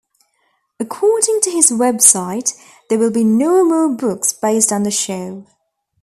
According to his website, there will be no more books based on the show.